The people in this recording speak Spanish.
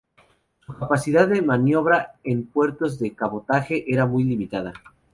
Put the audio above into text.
Su capacidad de maniobra en puertos de cabotaje era muy limitada.